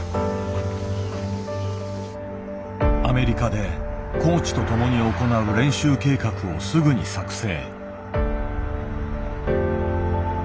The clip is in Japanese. アメリカでコーチと共に行う練習計画をすぐに作成。